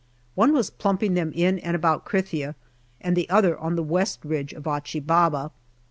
One was plumping them in and about Krithia, and the other on the west ridge of Achi Baba.